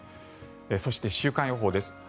そして、週間予報です。